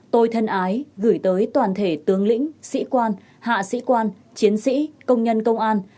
tôi thân ái gửi tới toàn thể tướng lĩnh sĩ quan hạ sĩ quan chiến sĩ công nhân công an